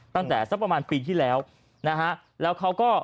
ตั้งแต่สักประมาณปีที่แล้วนะฮะแล้วเขาก็